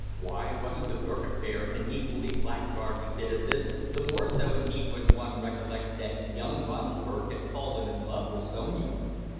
"Why, wasn't the Burke affair an equally blackguardly bit of business the more so, indeed, when one recollects that young Ronald Burke had fallen in love with Sonia."